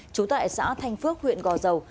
trú tại xã thanh phước huyện gò dầu